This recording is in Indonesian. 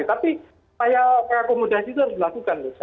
tapi saya perakomodasi itu harus dilakukan